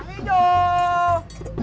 emang enak telat